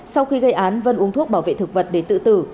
sau khi gây án vân uống thuốc bảo vệ thực vật để tự tử